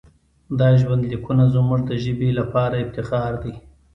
دا ژوندلیکونه زموږ د ژبې لپاره افتخار دی.